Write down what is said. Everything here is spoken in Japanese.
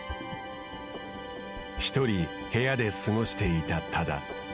１人、部屋で過ごしていた多田。